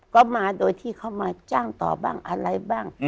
ก็มาโดยที่เขามาจ้างต่อบ้างอะไรบ้าง